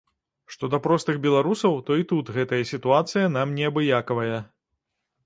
Што да простых беларусаў, то і тут гэтая сітуацыя нам неабыякавая.